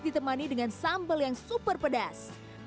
ditemani dengan sambal yang super pedas